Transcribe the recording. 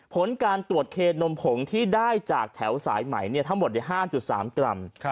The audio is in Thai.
ผลการตรวจเคนมผงที่ได้จากแถวสายใหม่ทั้งหมด๕๓กรัม